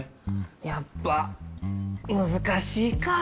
やっぱ難しいか。